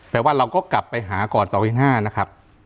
แปลว่าเราก็กลับไปหาก่อน๒ปี๕นะครับ